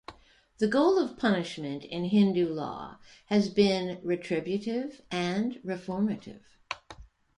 The goal of punishment, in Hindu law, has been retributive and reformative.